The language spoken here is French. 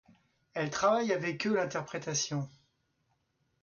Elle travaille avec eux l'interprétation.